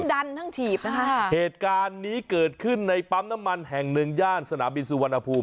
ดันทั้งถีบนะคะเหตุการณ์นี้เกิดขึ้นในปั๊มน้ำมันแห่งหนึ่งย่านสนามบินสุวรรณภูมิ